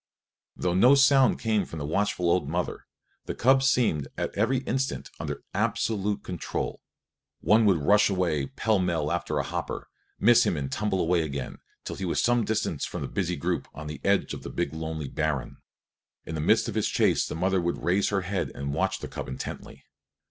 Though no sound came from the watchful old mother, the cubs seemed at every instant under absolute control. One would rush away pell mell after a hopper, miss him and tumble away again, till he was some distance from the busy group on the edge of the big lonely barren. In the midst of his chase the mother would raise her head and watch the cub intently.